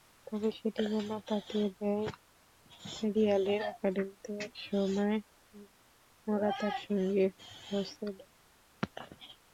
তবে সেটি যেন তাতিয়ে দেয় রিয়ালের একাডেমিতে একসময় মোরাতার সঙ্গী হোসেলুকে।